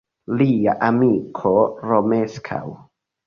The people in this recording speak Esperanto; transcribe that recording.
Lia amiko Romeskaŭ.